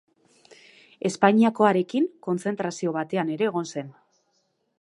Espainiakoarekin kontzentrazio batean ere egon zen.